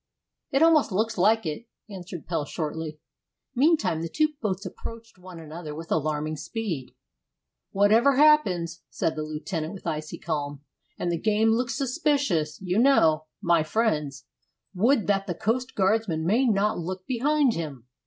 "It almost looks like it," answered Pelle shortly. Meantime the two boats approached one another with alarming speed. "Whatever happens," said the lieutenant, with icy calm, "and the game looks suspicious, you know, my friends, would that the coast guardsman may not look behind him!